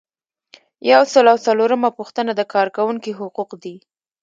یو سل او څلورمه پوښتنه د کارکوونکي حقوق دي.